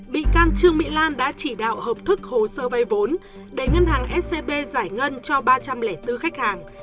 bị can trương mỹ lan đã chỉ đạo hợp thức hồ sơ vay vốn để ngân hàng scb giải ngân cho ba trăm linh bốn khách hàng